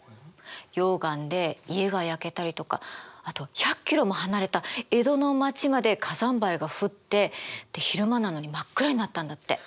溶岩で家が焼けたりとかあと１００ｋｍも離れた江戸の町まで火山灰が降って昼間なのに真っ暗になったんだって。